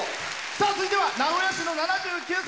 続いては名古屋市の７９歳。